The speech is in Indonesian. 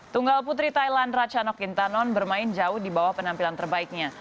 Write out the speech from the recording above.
tunggal putri thailand rachanok intanon bermain jauh di bawah penampilan terbaiknya